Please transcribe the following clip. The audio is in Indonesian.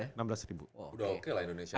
udah oke lah indonesia